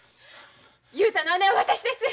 雄太の姉は私です！